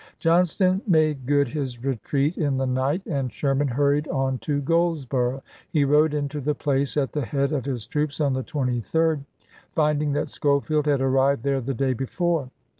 Johnston made good his retreat in the night, and Sherman hurried on to Goldsboro'; he rode into the place at the head of his troops on the 23d, find Marciuse* ing that Schofield had arrived there the day before.